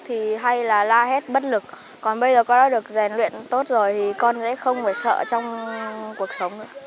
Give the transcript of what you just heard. thì hay là la hét bất lực còn bây giờ con đã được rèn luyện tốt rồi thì con sẽ không phải sợ trong cuộc sống nữa